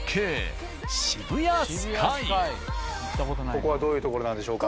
ここはどういう所なんでしょうか。